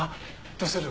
どうする？